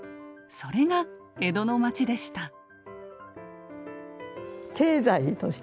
それが江戸の街でした。